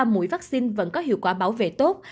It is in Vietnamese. ba mũi vắc xin vẫn có hiệu quả bảo vệ tốt